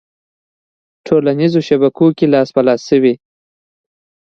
ه ټولنیزو شبکو کې لاس په لاس شوې